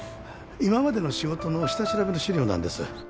今までの仕事の下調べの資料なんです。